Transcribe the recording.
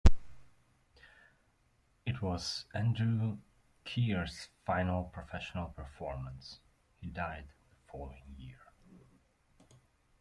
It was Andrew Keir's final professional performance; he died the following year.